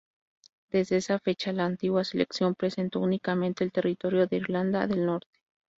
Desde esa fecha, la antigua selección representó únicamente al territorio de Irlanda del Norte.